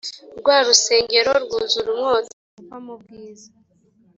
rwa rusengero rwuzura umwotsi uva mu bwiza